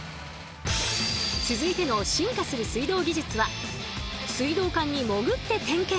続いての進化する水道技術は水道管にもぐって点検！